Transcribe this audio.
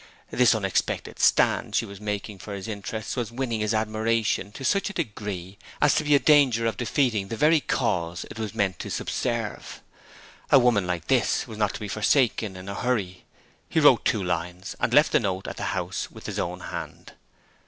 This unexpected stand she was making for his interests was winning his admiration to such a degree as to be in danger of defeating the very cause it was meant to subserve. A woman like this was not to be forsaken in a hurry. He wrote two lines, and left the note at the house with his own hand.